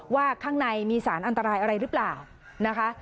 ข้างในมีสารอันตรายอะไรหรือเปล่านะคะ